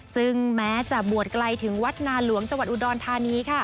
ซึ่งแม้จะบวชไกลถึงวัดนาหลวงจังหวัดอุดรธานีค่ะ